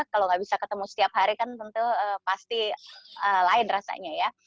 kalau nggak bisa ketemu setiap hari kan tentu pasti lain rasanya ya